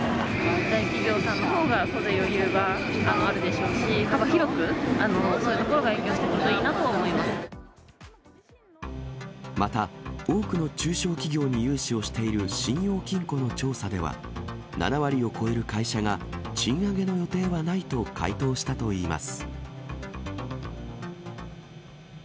大企業さんのほうが当然余裕があるでしょうし、幅広く、そういうところが影響すればいいまた、多くの中小企業に融資をしている信用金庫の調査では、７割を超える会社が、賃上げの予定はないと回答したといいます。